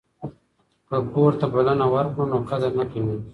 که کور ته بلنه ورکړو نو قدر نه کمیږي.